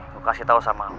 gue kasih tau sama lo